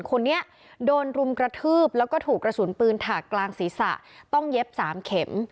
คนนี้โดนรุมกระทืบแล้วก็ถูกกระสุนปืนถากกลางศีรษะต้องเย็บ๓เข็ม